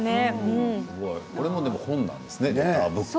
これも本なんですね。